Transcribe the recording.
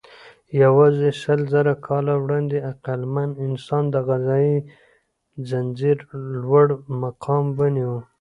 یواځې سلزره کاله وړاندې عقلمن انسان د غذایي ځنځير لوړ مقام ونیو.